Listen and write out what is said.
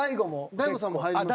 大悟さんも入ります。